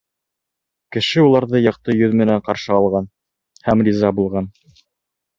Кеше уларҙы яҡты йөҙ менән ҡаршы алған һәм риза булған.